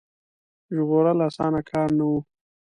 ژغورل اسانه کار نه وو.